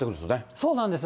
そうなんですよ。